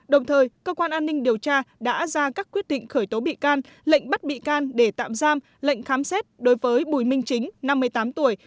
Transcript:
đồng thời cơ quan an ninh điều tra đã ra các quyết định khởi tố bị can lệnh bắt bị can để tạm giam lệnh khám xét đối với bùi minh chính năm mươi tám tuổi